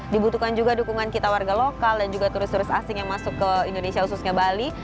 dibutuhkan juga dukungan kita warga lokal dan juga turis turis asing yang masuk ke indonesia khususnya bali